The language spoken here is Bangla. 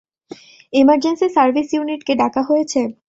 ইমার্জেন্সি সার্ভিস ইউনিটকে ডাকা হয়েছে?